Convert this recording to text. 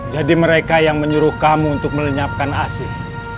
jadi mereka yang menyuruh kamu untuk melenyapkan asih